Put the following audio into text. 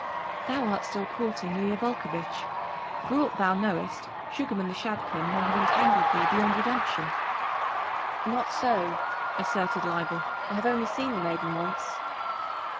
"Thou art still courting Leah Volcovitch. For aught thou knowest, Sugarman the Shadchan may have entangled thee beyond redemption." "Not so," asserted Leibel. "I have only seen the maiden once."